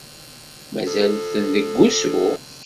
Mazal-ten deg usu?